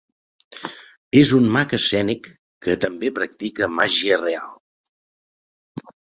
És un mag escènic que també practica màgia real.